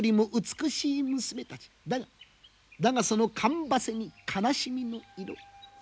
だがだがそのかんばせに悲しみの色。